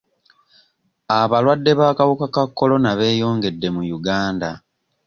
Abalwadde b'akawuka ka kolona beeyongedde mu Uganda.